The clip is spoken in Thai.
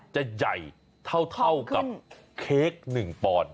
จะใหญ่เท่ากับเค้กหนึ่งปอน